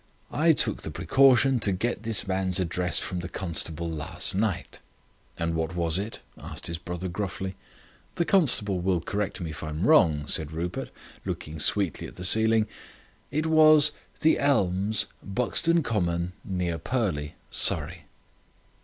"I took the precaution to get this man's address from the constable last night." "And what was it?" asked his brother gruffly. "The constable will correct me if I am wrong," said Rupert, looking sweetly at the ceiling. "It was: The Elms, Buxton Common, near Purley, Surrey."